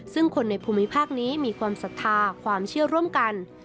ซึ่งคนในภูมิภาคนี้มีความศรัทธาความเชื่อร่วมกัน